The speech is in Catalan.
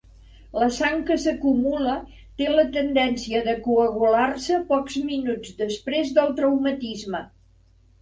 La sang que s'acumula té la tendència de coagular-se pocs minuts després del traumatisme.